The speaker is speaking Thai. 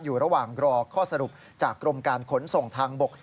อยู่ระหว่างรอข้อสรุปจากกรมการขนส่งทางบก